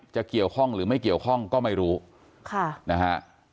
จะเกี่ยวข้องหรือไม่เกี่ยวข้องก็ไม่รู้ค่ะนะฮะ